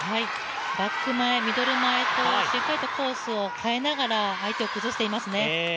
バック前、ミドル前と、しっかりとコースを変えながら相手を崩していますね。